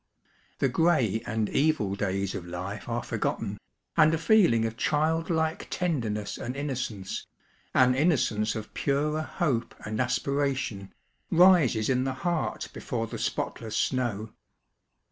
The grey and evil days of life are forgotten, and a feeling of childlike tenderness and inno cenceŌĆö an innocence of * purer hope and aspiration ŌĆö arises in the heart before the spotiess snow.